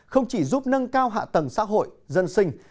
không chỉ giúp nâng cao hạ tầng xã hội dân sinh